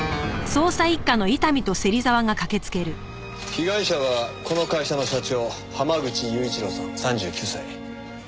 被害者はこの会社の社長濱口裕一郎さん３９歳。